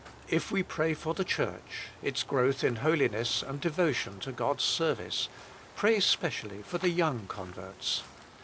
If we pray for the Church, its growth in holiness and devotion to God s service, pray specially for the young converts.